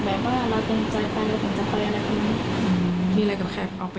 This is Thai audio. แบบว่าเราต้องจ่ายไปแล้วถึงจะไปอะไรพรุ่งนี้